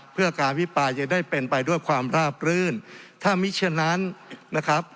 เพื่อการอภิปรายจะได้เป็นไปด้วยความราบรื่นถ้ามิฉะนั้นนะครับ